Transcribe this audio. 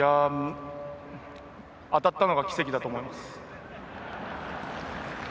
当たったのが奇跡だと思います。